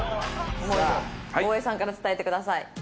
思いを大江さんから伝えてください。